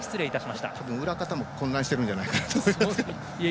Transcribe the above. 裏方も混乱してるんじゃないかなと思います。